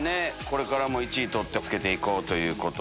これからも１位取って付けて行こうと。